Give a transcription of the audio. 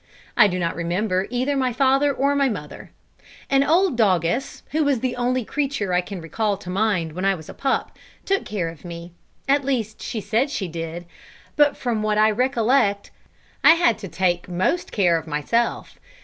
I do not remember either my father or my mother. An old doggess,[A] who was the only creature I can recal to mind when I was a pup, took care of me. At least, she said she did. But from what I recollect, I had to take most care of myself.